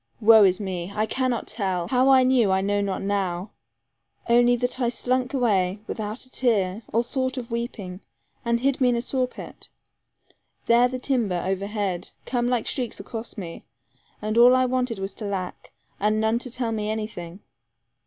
Woe is me! I cannot tell. How I knew I know not now only that I slunk away, without a tear, or thought of weeping, and hid me in a saw pit. There the timber, over head, came like streaks across me; and all I wanted was to lack, and none to tell me anything.